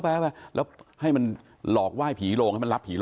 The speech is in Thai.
ใบเข้าหล่อกว่ายผีโรง